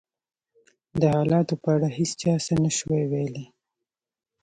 د حالاتو په اړه هېڅ چا څه نه شوای ویلای.